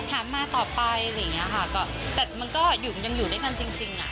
ถามมาต่อไปอะไรอย่างเงี้ยค่ะก็แต่มันก็ยังอยู่ด้วยกันจริงอ่ะ